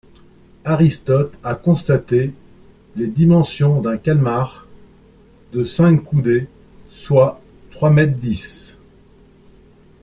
Aristote a constaté les dimensions d'un calmar de cinq coudées, soit trois mètres dix.